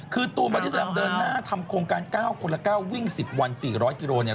คือตูนบอดี้แลมเดินหน้าทำโครงการ๙คนละ๙วิ่ง๑๐วัน๔๐๐กิโลเนี่ย